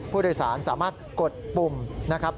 ผู้โดยสารสามารถกดปุ่มนะครับ